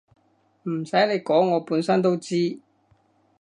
唔洗你講我本身都知